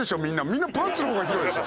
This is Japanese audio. みんなパンツの方が広いでしょ。